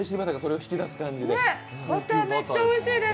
バタ−めっちゃおいしいです。